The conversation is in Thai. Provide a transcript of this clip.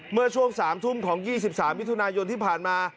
เมื่อช่วง๓ทุ่มของ๒๓มิถุนายนที่ผ่านมา